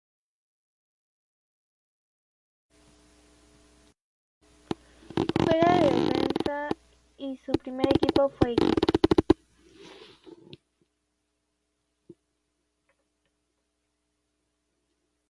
Juega de defensa y su primer equipo fue Equipo.